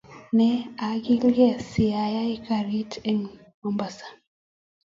Nen akilkee siyai karit en mombasa